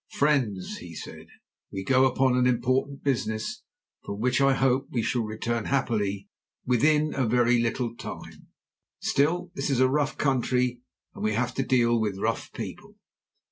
"Friends," he said, "we go upon an important business, from which I hope we shall return happily within a very little time. Still, this is a rough country, and we have to deal with rough people.